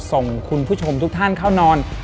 ส่งคุณผู้ชมทุกท่านเข้านอน